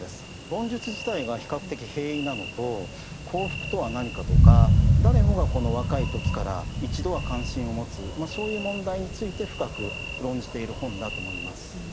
論述自体が比較的平易なのと幸福とは何かとか誰もが若い時から一度は関心を持つそういう問題について深く論じている本だと思います。